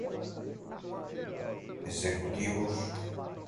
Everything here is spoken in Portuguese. executivos